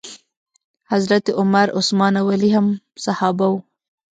حضرت عمر، عثمان او علی هم صحابه وو.